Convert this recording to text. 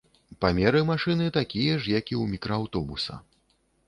Памеры машыны такія ж, як і ў мікрааўтобуса.